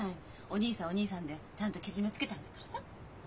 お義兄さんはお義兄さんでちゃんとけじめつけたんだからさ。